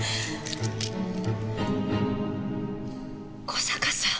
小坂さん！？